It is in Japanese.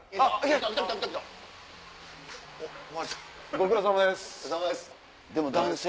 ご苦労さまです。